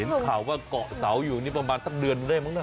เห็นข่าวว่าเกาะเสาอยู่นี่ประมาณทักเดือนได้มั้งนะ